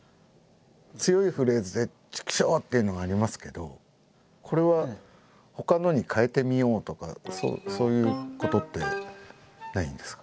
強いフレーズで「チクショー！！」っていうのがありますけどこれはほかのに変えてみようとかそういうことってないんですか？